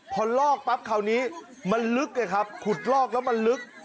พอลอกปั๊บคราวนี้มันลึกไงครับขุดลอกแล้วมันลึก